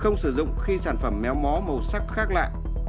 không sử dụng khi sản phẩm méo mó màu sắc khác lạ